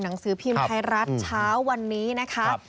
หนังสือพิมพ์ไทยรัฐเช้าวันนี้นะคะ